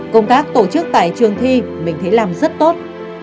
công tác tổ chức tại trường thi mình thấy làm rất tốt